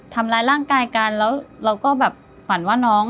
ทำร้ายร่างกายกันแล้วเราก็แบบฝันว่าน้อง